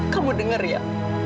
kamu dengar ya